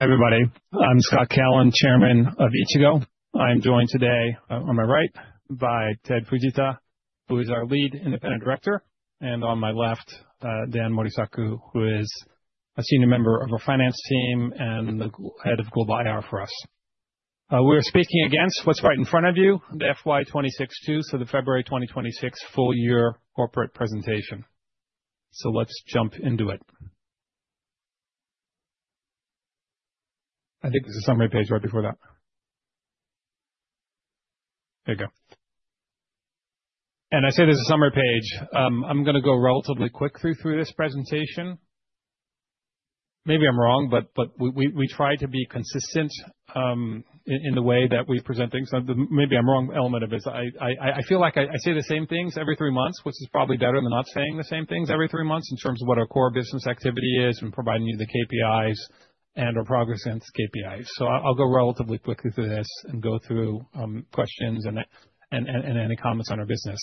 Hi, everybody. I'm Scott Callon, Chairman of Ichigo. I'm joined today on my right by Tetsuya Fujita, who is our Lead Independent Director, and on my left, Dan Morisaku, who is a Senior Member of our Finance Team and the Head of Global IR for us. We're speaking against what's right in front of you, the FY 2026, the February 2026 full year corporate presentation. Let's jump into it. I think there's a summary page right before that. There you go. I say there's a summary page. I'm going to go relatively quick through this presentation. Maybe I'm wrong, but we try to be consistent in the way that we present things. Maybe I'm wrong element of this. I feel like I say the same things every three months, which is probably better than not saying the same things every three months in terms of what our core business activity is and providing you the KPIs and our progress against KPIs. I'll go relatively quickly through this and go through questions and any comments on our business.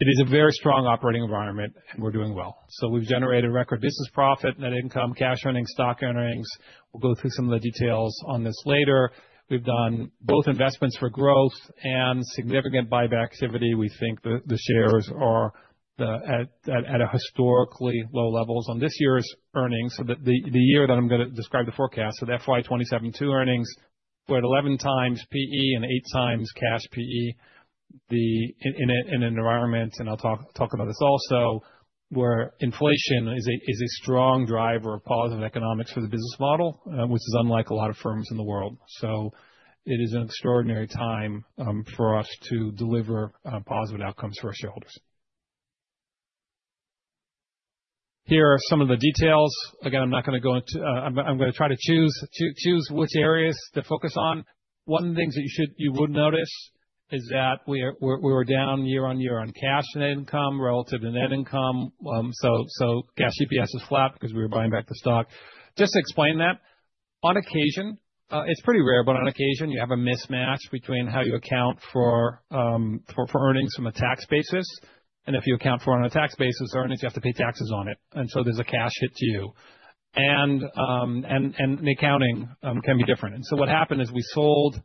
It is a very strong operating environment, and we're doing well. We've generated record business profit, net income, cash earnings, stock earnings. We'll go through some of the details on this later. We've done both investments for growth and significant buyback activity. We think that the shares are at a historically low level on this year's earnings. The year that I'm going to describe the forecast, the FY 2027 earnings were at 11x PE and 8x cash PE, in an environment, and I'll talk about this also, where inflation is a strong driver of positive economics for the business model, which is unlike a lot of firms in the world. It is an extraordinary time for us to deliver positive outcomes for our shareholders. Here are some of the details. Again, I'm going to try to choose which areas to focus on. One of the things that you would notice is that we were down year-on-year on cash and income relative to net income. Cash EPS is flat because we were buying back the stock. Just to explain that, on occasion, it's pretty rare, but on occasion, you have a mismatch between how you account for earnings from a tax basis. If you account for it on a tax basis, earnings, you have to pay taxes on it. There's a cash hit to you. The accounting can be different. What happened is we sold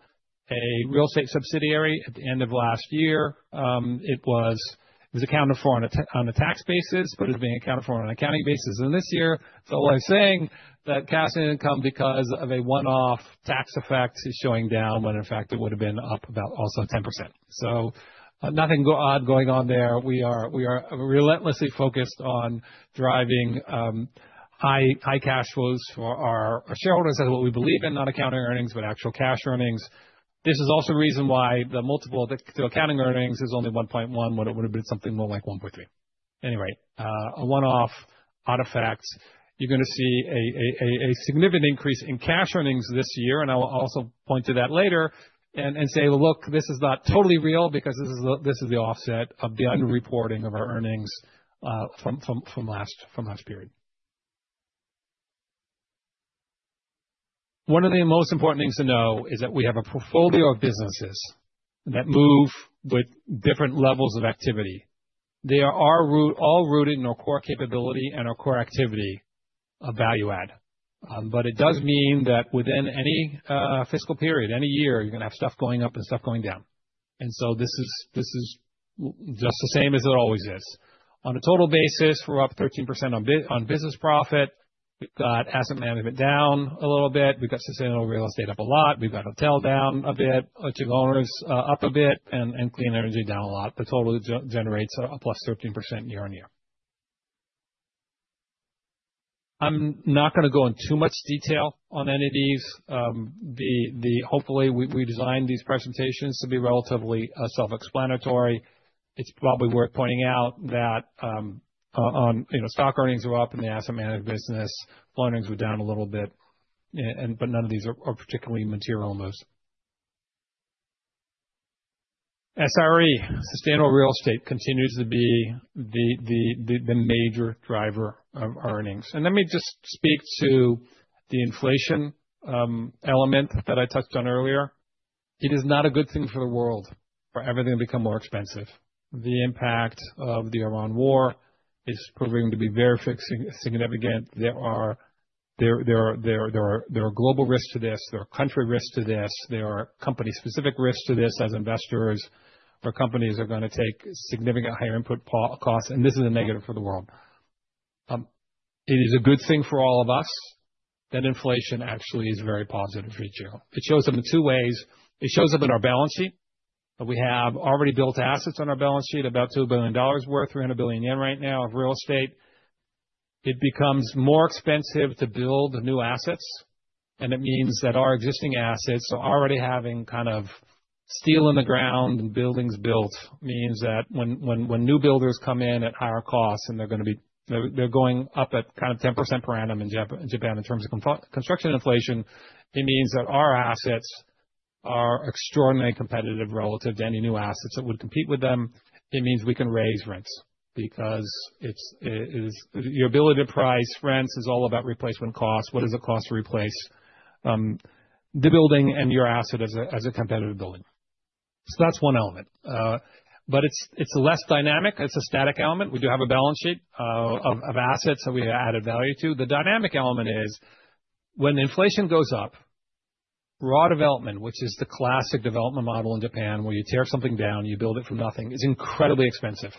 a real estate subsidiary at the end of last year. It was accounted for on a tax basis, but it's being accounted for on an accounting basis. This year, so all I'm saying that cash income, because of a one-off tax effect, is showing down, when in fact it would have been up about also 10%. Nothing odd going on there. We are relentlessly focused on driving high cash flows for our shareholders. That is what we believe in, not accounting earnings, but actual cash earnings. This is also reason why the multiple, the accounting earnings is only 1.1x when it would've been something more like 1.3x. Anyway, a one-off artifact. You're gonna see a significant increase in cash earnings this year, and I'll also point to that later and say, look, this is not totally real because this is the offset of the underreporting of our earnings from last period. One of the most important things to know is that we have a portfolio of businesses that move with different levels of activity. They are all rooted in our core capability and our core activity of Value-Add. It does mean that within any fiscal period, any year, you're gonna have stuff going up and stuff going down. This is just the same as it always is. On a total basis, we're up 13% on Business Profit. We've got Asset Management down a little bit. We've got Sustainable Real Estate up a lot. We've got Hotel down a bit. Ichigo Owners up a bit, and Clean Energy down a lot, but totally generates a +13% year-on-year. I'm not gonna go in too much detail on any of these. Hopefully, we designed these presentations to be relatively self-explanatory. It's probably worth pointing out that stock earnings are up in the Asset Management business. Loan earnings were down a little bit, but none of these are particularly material numbers. SRE, Sustainable Real Estate, continues to be the major driver of earnings. Let me just speak to the inflation element that I touched on earlier. It is not a good thing for the world for everything to become more expensive. The impact of the Iran war is proving to be very significant. There are global risks to this. There are country risks to this. There are company-specific risks to this as investors or companies are gonna take significant higher input costs. This is a negative for the world. It is a good thing for all of us that inflation actually is a very positive feature. It shows up in two ways. It shows up in our balance sheet, that we have already built assets on our balance sheet, about $2 billion worth, 300 billion yen right now of real estate. It becomes more expensive to build new assets. It means that our assets are already having kind of steel in the ground and buildings built. It means that when new builders come in at higher costs and they're going up at kind of 10% per annum in Japan in terms of construction inflation, it means that our assets are extraordinarily competitive relative to any new assets that would compete with them. It means we can raise rents because your ability to price rents is all about replacement cost. What does it cost to replace the building and your asset as a competitive building? That's one element. It's less dynamic. It's a static element. We do have a balance sheet of assets that we added value to. The dynamic element is when inflation goes up, raw development, which is the classic development model in Japan, where you tear something down, you build it from nothing, is incredibly expensive.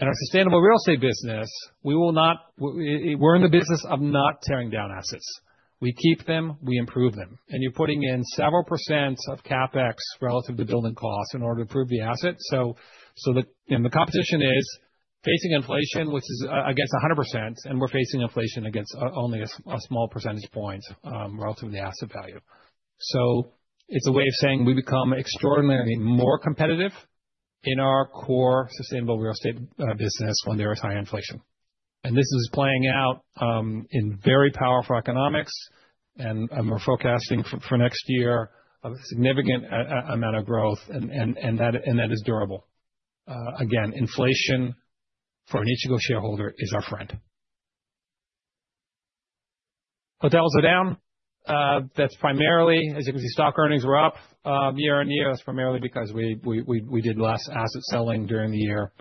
In our Sustainable Real Estate business, we're in the business of not tearing down assets. We keep them, we improve them, and you're putting in several percents of CapEx relative to building costs in order to improve the asset. The competition is facing inflation, which is against 100%, and we're facing inflation against only a small percentage point, relative to the asset value. It's a way of saying we become extraordinarily more competitive in our core Sustainable Real Estate business when there is high inflation. This is playing out in very powerful economics. We're forecasting for next year a significant amount of growth, and that is durable. Again, inflation, for an Ichigo shareholder, is our friend. Hotels are down. That's primarily, as you can see, Stock Earnings were up year-on-year. That's primarily because we did less asset selling during the year.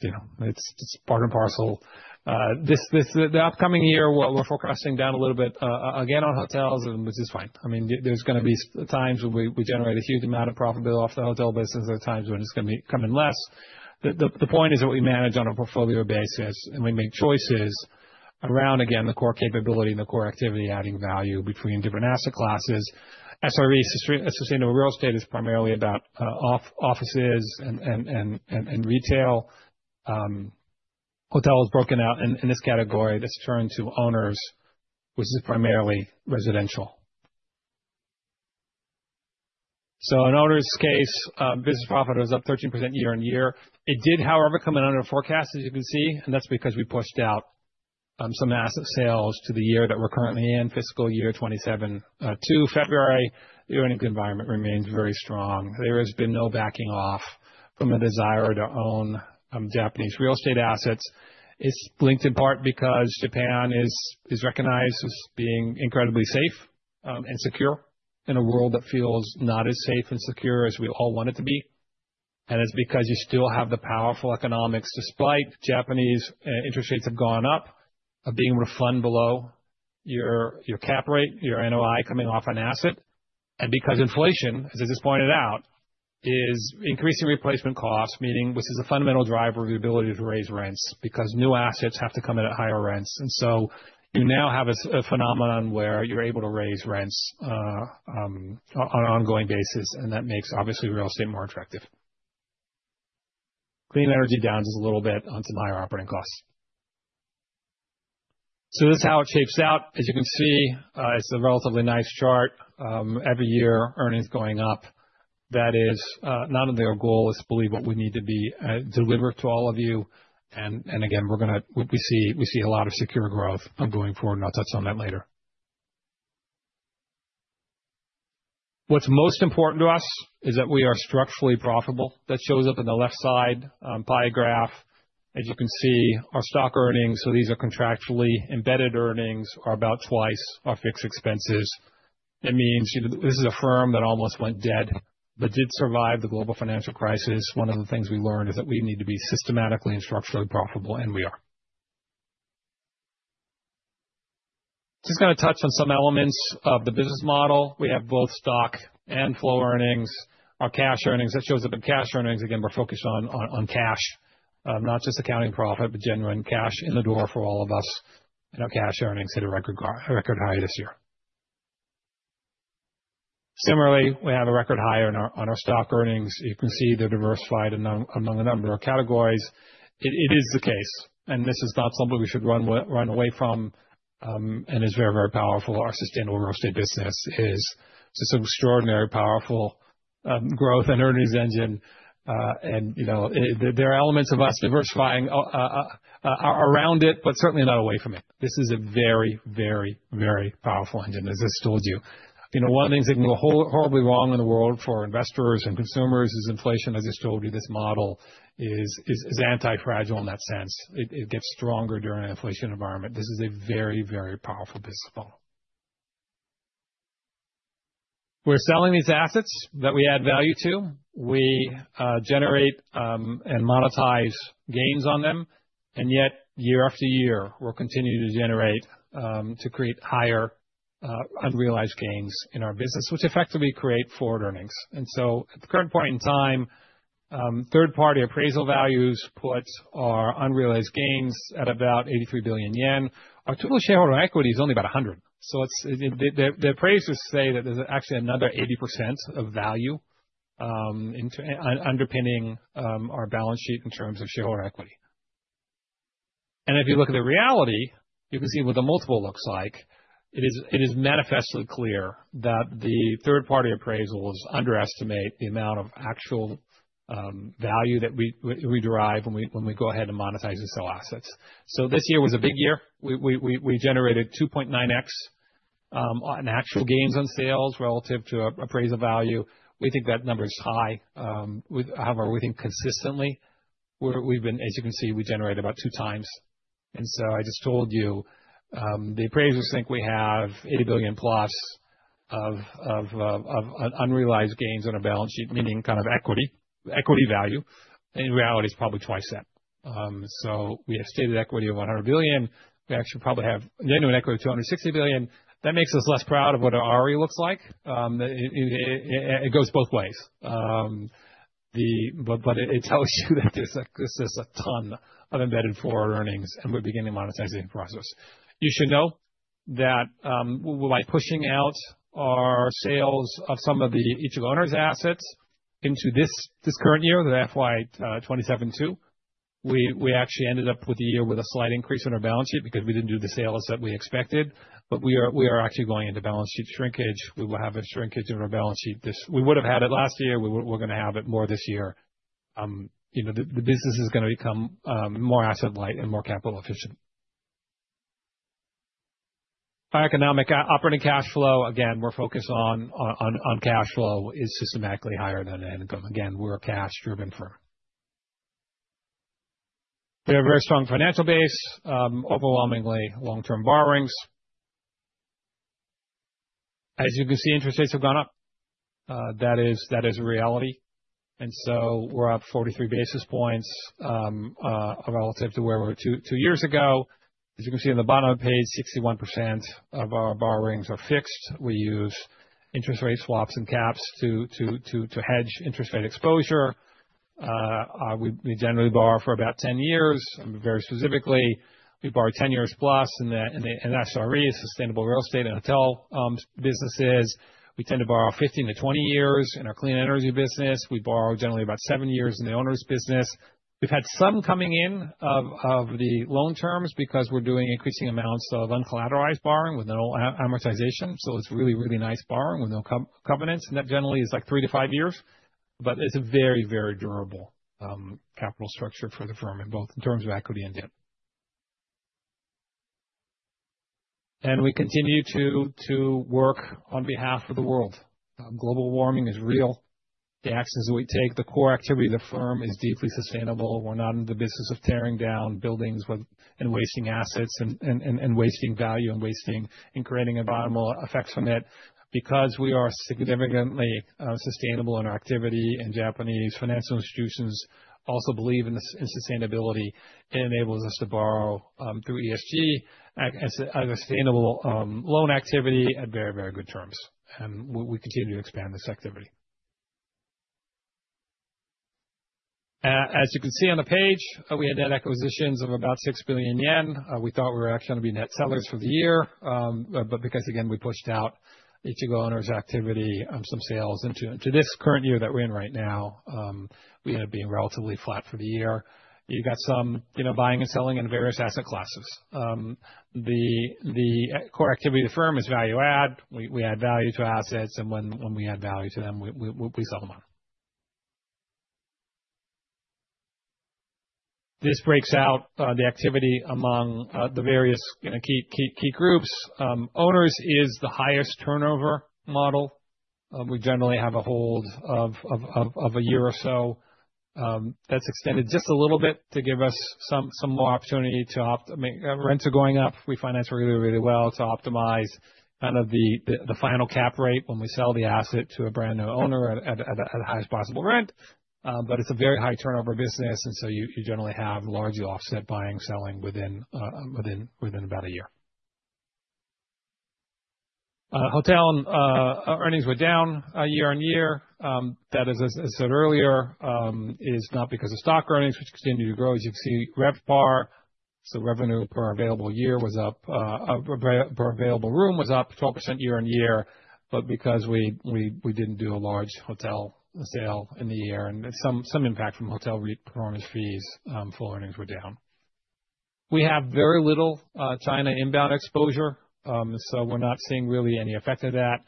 It's part and parcel. The upcoming year, we're forecasting down a little bit again on hotels, and this is fine. There's going to be times when we generate a huge amount of profitability off the hotel business. There's times when it's going to be coming less. The point is that we manage on a portfolio basis and we make choices around, again, the core capability and the core activity, adding value between different asset classes. SRE, Sustainable Real Estate, is primarily about offices and retail. Hotel is broken out in this category that's turned to Owners, which is primarily residential. In Owners' case, business profit was up 13% year-on-year. It did, however, come in under forecast, as you can see, and that's because we pushed out some asset sales to the year that we're currently in, fiscal year 2027. To February, the earning environment remains very strong. There has been no backing off from a desire to own Japanese real estate assets. It's linked in part because Japan is recognized as being incredibly safe and secure in a world that feels not as safe and secure as we all want it to be. It's because you still have the powerful economics, despite Japanese interest rates have gone up, are being well below your cap rate, your NOI coming off an asset. Because inflation, as I just pointed out, is increasing replacement costs, meaning this is a fundamental driver of the ability to raise rents because new assets have to come in at higher rents. You now have a phenomenon where you're able to raise rents on an ongoing basis, and that makes, obviously, real estate more attractive. Clean energy down just a little bit onto higher operating costs. This is how it shapes out. As you can see, it's a relatively nice chart. Every year, earnings going up. That is not only our goal, it's believe what we need to deliver to all of you. Again, we see a lot of secure growth going forward, and I'll touch on that later. What's most important to us is that we are structurally profitable. That shows up in the left side pie graph. As you can see, our stock earnings, so these are contractually embedded earnings, are about twice our fixed expenses. That means this is a firm that almost went dead but did survive the Global Financial Crisis. One of the things we learned is that we need to be systematically and structurally profitable, and we are. Just going to touch on some elements of the business model. We have both stock and flow earnings. Our cash earnings. That shows up in cash earnings. Again, we're focused on cash, not just accounting profit, but genuine cash in the door for all of us. Our cash earnings hit a record high this year. Similarly, we have a record high on our stock earnings. You can see they're diversified among a number of categories. It is the case, and this is not something we should run away from and is very powerful. Our Sustainable Real Estate business is just an extraordinary powerful growth and earnings engine. There are elements of us diversifying around it, but certainly not away from it. This is a very powerful engine, as I just told you. One of the things that can go horribly wrong in the world for investors and consumers is inflation. As I just told you, this model is anti-fragile in that sense. It gets stronger during an inflation environment. This is a very powerful business model. We're selling these assets that we add value to. We generate and monetize gains on them, and yet year after year, we'll continue to generate to create higher unrealized gains in our business, which effectively create forward earnings. At the current point in time, third-party appraisal values put our unrealized gains at about 83 billion yen. Our total shareholder equity is only about 100. The appraisers say that there's actually another 80% of value underpinning our balance sheet in terms of shareholder equity. If you look at the reality, you can see what the multiple looks like. It is manifestly clear that the third-party appraisals underestimate the amount of actual value that we derive when we go ahead and monetize and sell assets. This year was a big year. We generated 2.9x on actual gains on sales relative to appraisal value. We think that number is high. However, we think consistently, as you can see, we generate about 2x. I just told you, the appraisers think we have 80 billion+ of unrealized gains on our balance sheet, meaning equity value. In reality, it's probably twice that. We have stated equity of 100 billion. We actually probably have an equity of 260 billion. That makes us less proud of what our ROE looks like. It goes both ways. It tells you that this is a ton of embedded forward earnings, and we're beginning the monetizing process. You should know that by pushing out our sales of some of the Ichigo Owners assets into this current year, the FY 2027 too, we actually ended up with a year with a slight increase in our balance sheet because we didn't do the sales that we expected. We are actually going into balance sheet shrinkage. We will have a shrinkage in our balance sheet. We would've had it last year. We're going to have it more this year. The business is going to become more asset light and more capital efficient. Economic operating cash flow. Again, we're focused on cash flow is systematically higher than income. Again, we're a cash-driven firm. We have a very strong financial base, overwhelmingly long-term borrowings. As you can see, interest rates have gone up. That is a reality. We're up 43 basis points, relative to where we were two years ago. As you can see in the bottom of the page, 61% of our borrowings are fixed. We use interest rate swaps and caps to hedge interest rate exposure. We generally borrow for about 10 years. Very specifically, we borrow 10+ years in SRE, Sustainable Real Estate, and hotel businesses. We tend to borrow 15-20 years in our Clean Energy business. We borrow generally about seven years in the Owners business. We've had some coming in of the loan terms because we're doing increasing amounts of uncollateralized borrowing with no amortization. It's really, really nice borrowing with no covenants, and that generally is three to five years. It's a very, very durable capital structure for the firm both in terms of equity and debt. We continue to work on behalf of the world. Global warming is real. The actions we take, the core activity of the firm is deeply sustainable. We're not in the business of tearing down buildings and wasting assets and wasting value and creating environmental effects from it. Because we are significantly sustainable in our activity, and Japanese financial institutions also believe in sustainability, it enables us to borrow through ESG as a sustainable loan activity at very, very good terms. We continue to expand this activity. As you can see on the page, we had net acquisitions of about 6 billion yen. We thought we were actually going to be net sellers for the year. Because, again, we pushed out Ichigo Owners activity, some sales into this current year that we're in right now, we end up being relatively flat for the year. You got some buying and selling in various asset classes. The core activity of the firm is value add. We add value to assets, and when we add value to them, we sell them on. This breaks out the activity among the various key groups. Owners is the highest turnover model. We generally have a hold of a year or so. That's extended just a little bit to give us some more opportunity. Rents are going up. We finance really well to optimize the final cap rate when we sell the asset to a brand-new owner at the highest possible rent. It's a very high turnover business. You generally have largely offset buying, selling within about a year. Hotel earnings were down year-on-year. That is, as I said earlier, is not because of stock earnings, which continue to grow. As you can see, RevPAR. Revenue per available room was up 12% year-on-year. Because we didn't do a large hotel sale in the year and some impact from hotel performance fees, full earnings were down. We have very little China inbound exposure. We're not seeing really any effect of that.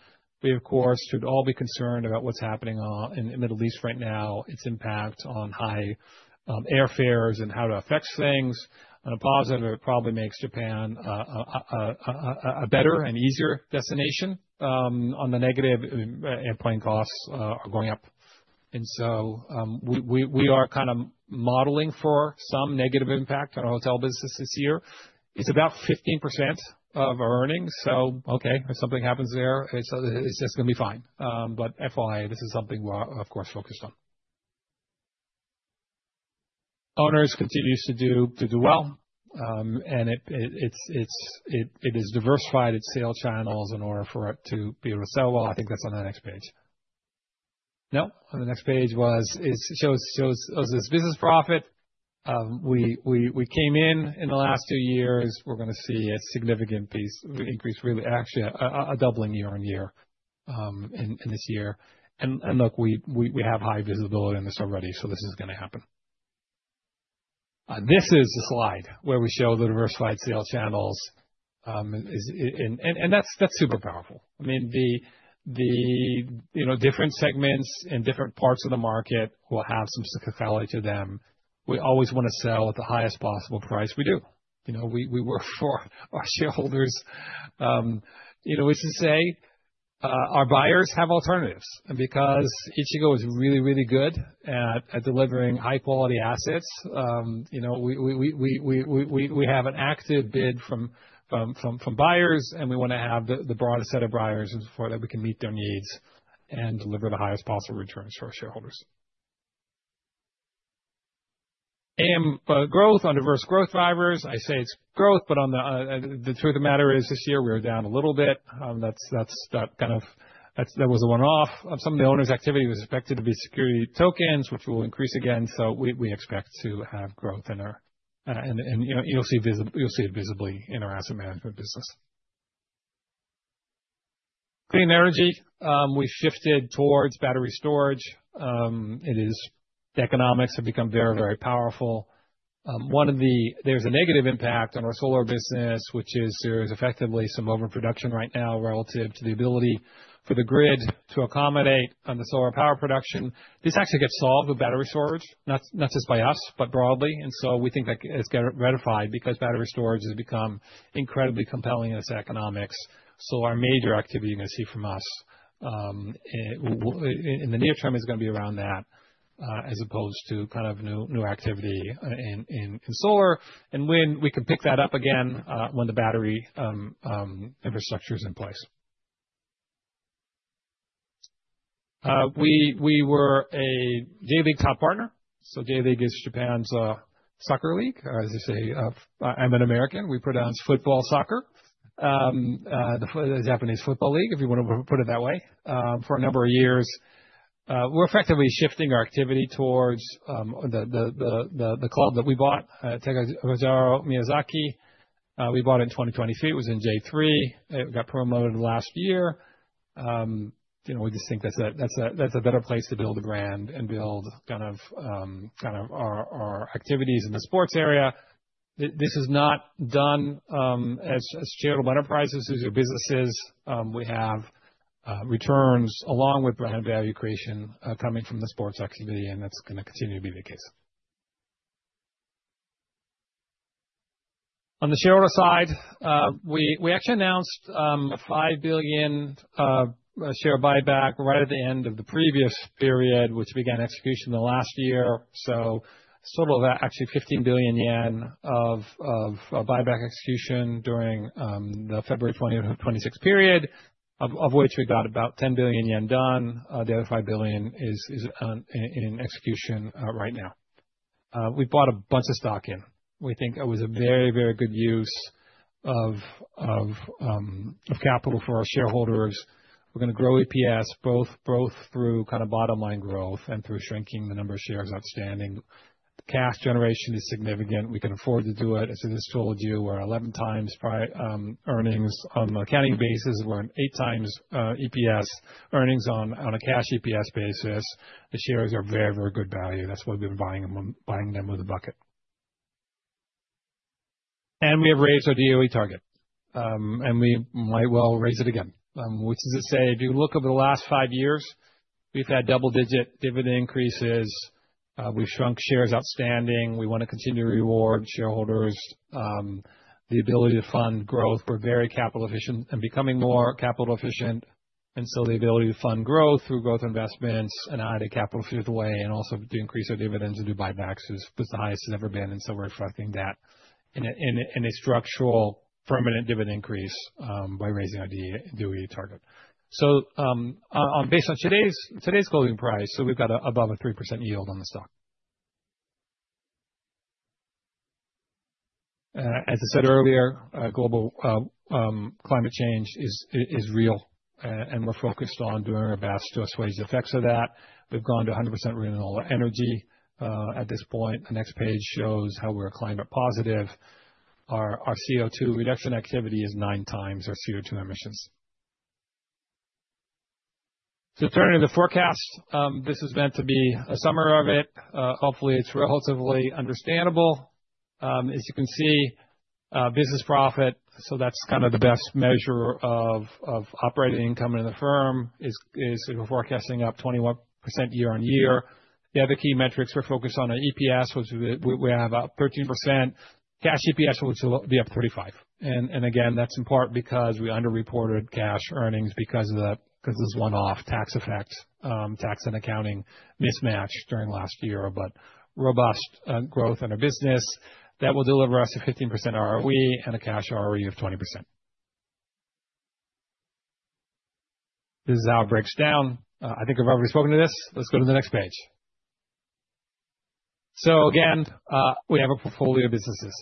We, of course, should all be concerned about what's happening in the Middle East right now, its impact on high airfares and how it affects things. On a positive, it probably makes Japan a better and easier destination. On the negative, airplane costs are going up. We are kind of modeling for some negative impact on our hotel business this year. It's about 15% of our earnings. Okay, if something happens there, it's just going to be fine. FYI, this is something we're of course focused on. Owners continues to do well. It has diversified its sales channels in order for it to be able to sell well. I think that's on the next page. No, on the next page shows us business profit. We came in in the last two years. We're going to see a significant increase, really, actually a doubling year-on-year in this year. Look, we have high visibility on this already. This is going to happen. This is the slide where we show the diversified sales channels. That's super powerful. The different segments in different parts of the market will have some cyclicality to them. We always want to sell at the highest possible price. We do. We work for our shareholders, which is to say, our buyers have alternatives because Ichigo is really good at delivering high-quality assets. We have an active bid from buyers, and we want to have the broadest set of buyers so that we can meet their needs and deliver the highest possible returns for our shareholders. AM growth on diverse growth drivers. I say it's growth, but the truth of the matter is, this year, we were down a little bit. That was a one-off of some of the owners' activity was expected to be security tokens, which will increase again. So we expect to have growth, and you'll see it visibly in our asset management business. Clean energy. We shifted towards battery storage. The economics have become very, very powerful. There's a negative impact on our solar business, which is, there is effectively some overproduction right now relative to the ability for the grid to accommodate on the solar power production. This actually gets solved with battery storage, not just by us, but broadly, and so we think that it's ratified because battery storage has become incredibly compelling in its economics. Our major activity you're going to see from us in the near term is going to be around that as opposed to new activity in solar, when we can pick that up again, when the battery infrastructure is in place. We were a J.League top partner. J.League is Japan's soccer league, or as they say, I'm an American, we pronounce football, soccer, the Japanese football league, if you want to put it that way. For a number of years, we're effectively shifting our activity towards the club that we bought, Tegevajaro Miyazaki. We bought in 2023. It was in J3. It got promoted last year. We just think that's a better place to build a brand and build our activities in the sports area. This is not done as charitable enterprises. These are businesses. We have returns along with brand value creation coming from the sports activity, and that's going to continue to be the case. On the shareholder side, we actually announced a 5 billion share buyback right at the end of the previous period, which began execution in the last year. Actually 15 billion yen of buyback execution during the February 2026 period, of which we got about 10 billion yen done. The other 5 billion is in execution right now. We bought a bunch of stock in. We think it was a very good use of capital for our shareholders. We're going to grow EPS both through bottom-line growth and through shrinking the number of shares outstanding. Cash generation is significant. We can afford to do it. As I just told you, we're 11x earnings on an accounting basis. We're on 8x EPS earnings on a cash EPS basis. The shares are very good value. That's why we've been buying them with a bucket. We have raised our DOE target, and we might well raise it again. Which is to say, if you look over the last five years, we've had double-digit dividend increases. We've shrunk shares outstanding. We want to continue to reward shareholders. The ability to fund growth, we're very capital efficient and becoming more capital efficient, and so the ability to fund growth through growth investments and add capital along the way, and also to increase our dividends and do buybacks is the highest it's ever been. We're reflecting that in a structural permanent dividend increase by raising our DOE target. Based on today's closing price, so we've got above a 3% yield on the stock. As I said earlier, global climate change is real, and we're focused on doing our best to assuage the effects of that. We've gone to 100% renewable energy at this point. The next page shows how we're climate positive. Our CO2 reduction activity is nine times our CO2 emissions. Turning to the forecast, this is meant to be a summary of it. Hopefully, it's relatively understandable. As you can see, business profit, so that's the best measure of operating income in the firm, is we're forecasting up 21% year-on-year. The other key metrics we're focused on are EPS, which we have up 13%. Cash EPS, which will be up 35%. Again, that's in part because we underreported cash earnings because of this one-off tax effect, tax and accounting mismatch during last year. Robust growth in our business. That will deliver us a 15% ROE and a cash ROE of 20%. This is how it breaks down. I think I've already spoken to this. Let's go to the next page. Again, we have a portfolio of businesses.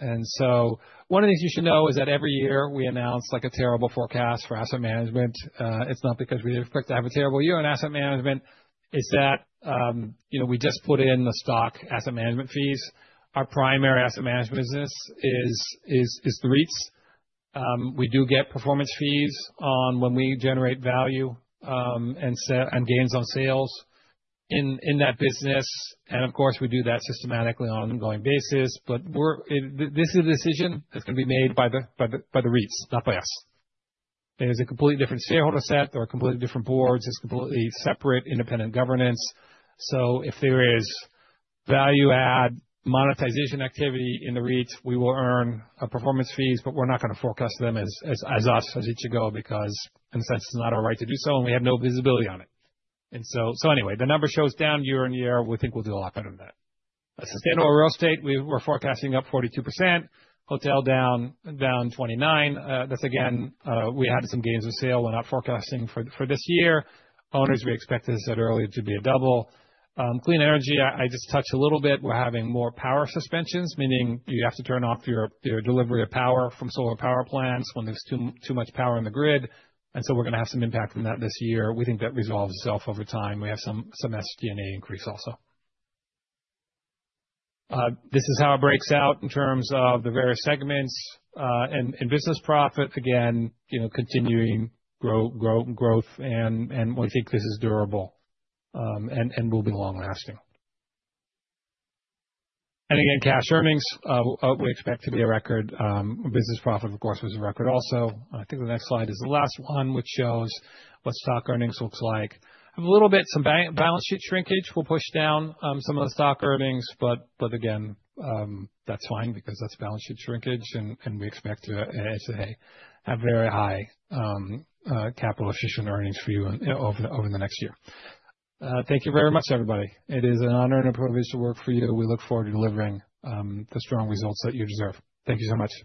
One of the things you should know is that every year we announce a terrible forecast for asset management. It's not because we expect to have a terrible year in asset management. It's that we just put in the stock asset management fees. Our primary asset management business is the REITs. We do get performance fees when we generate value and gains on sales in that business, and of course, we do that systematically on an ongoing basis. This is a decision that's going to be made by the REITs, not by us. It is a completely different shareholder set. They're completely different boards. It's completely separate, independent governance. If there is value add monetization activity in the REIT, we will earn our performance fees, but we're not going to forecast them as us, as Ichigo, because in a sense, it's not our right to do so, and we have no visibility on it. Anyway, the number shows down year-on-year. We think we'll do a lot better than that. Sustainable Real Estate, we're forecasting up 42%. Hotel down 29%. That's again, we had some gains on sale we're not forecasting for this year. Owners, we expect, as I said earlier, to be a double. Clean Energy, I just touched a little bit. We're having more power suspensions, meaning you have to turn off your delivery of power from solar power plants when there's too much power in the grid, and so we're going to have some impact from that this year. We think that resolves itself over time. We have some SG&A increase also. This is how it breaks out in terms of the various segments, and business profit, again, continuing growth, and we think this is durable and will be long-lasting. Again, cash earnings, we expect to be a record. Business profit, of course, was a record also. I think the next slide is the last one, which shows what stock earnings looks like. A little bit, some balance sheet shrinkage will push down some of the stock earnings. Again, that's fine because that's balance sheet shrinkage, and we expect to, as I say, have very high capital efficient earnings for you over the next year. Thank you very much, everybody. It is an honor and a privilege to work for you. We look forward to delivering the strong results that you deserve. Thank you so much.